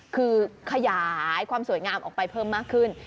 คือขยายความสวยงามออกไปเพิ่มมากขึ้น